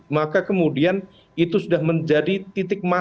maka kemudian itu sudah menjadi titik